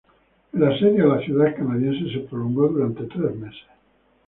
El Asedio a la ciudad canadiense se prolongó durante tres meses.